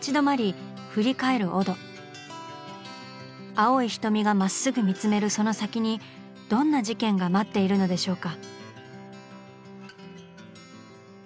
青い瞳がまっすぐ見つめるその先にどんな事件が待っているのでしょうか？